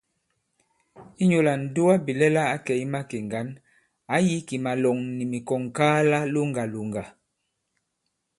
Inyū lā ǹdugabìlɛla ǎ kɛ̀ i makè ŋgǎn, ǎ yī kì màlɔ̀ŋ nì mikɔ̀ŋŋkaala loŋgàlòŋgà.